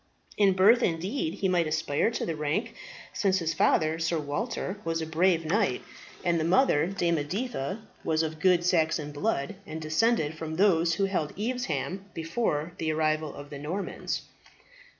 In birth indeed he might aspire to the rank, since his father, Sir Walter, was a brave knight, and the mother, Dame Editha, was of good Saxon blood, and descended from those who held Evesham before the arrival of the Normans."